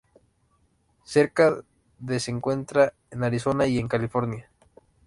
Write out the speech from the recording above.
Cerca de se encuentran en Arizona y en California.